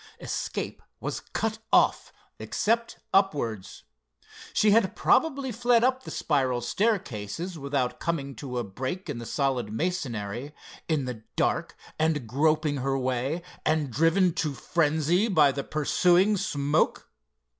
Escape was cut off, except upwards. She had probably fled up the spiral staircases without coming to a break in the solid masonry, in the dark, and groping her way, and driven to frenzy by the pursuing smoke.